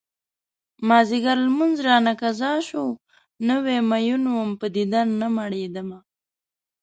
مازديګر لمونځ رانه قضا شو نوی مين وم په دیدن نه مړيدمه